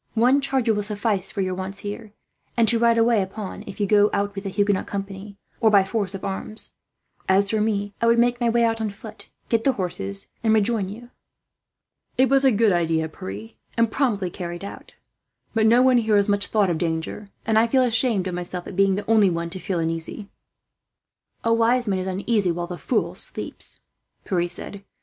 One charger will suffice for your wants here, and to ride away upon if you go out with the Huguenot company, whether peacefully or by force of arms. As for me, I would make my way there on foot, get the horses, and rejoin you." "It was a good idea, Pierre, and promptly carried out. But no one here has much thought of danger, and I feel ashamed of myself at being the only one to feel uneasy." "The wise man is uneasy while the fool sleeps," Pierre said.